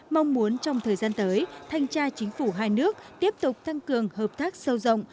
mong muốn trong thời gian tới thanh tra chính phủ hai nước tiếp tục tăng cường hợp tác sâu rộng